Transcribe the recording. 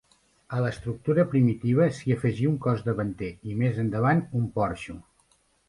A l'estructura primitiva s'hi afegí un cos davanter i més endavant un porxo.